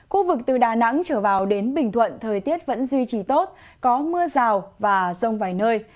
khu vực từ đà nẵng trở vào đến bình thuận thời tiết vẫn duy trì tốt có mưa rào và rông vài nơi